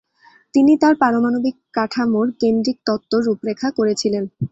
তিনি তার "পারমাণবিক কাঠামোর কেন্দ্রীক তত্ত্ব" রূপরেখা করেছিলেন।